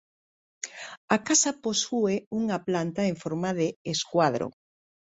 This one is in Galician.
A casa posúe unha planta en forma de escuadro.